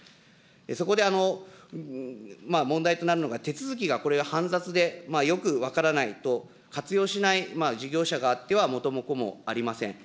そこで、問題となるのが、手続きがこれは煩雑で、よく分からないと、活用しない事業者があっては元も子もありません。